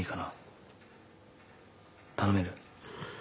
頼める？